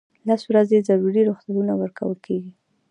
لس ورځې ضروري رخصتۍ ورکول کیږي.